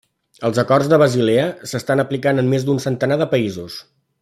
Els acords de Basilea s'estan aplicant en més d'un centenar de països.